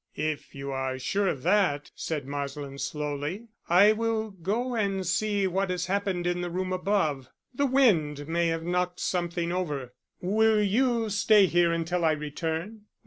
"If you are sure of that," said Marsland slowly, "I will go and see what has happened in the room above. The wind may have knocked something over. Will you stay here until I return?"